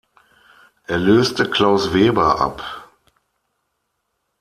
Er löste Klaus Weber ab.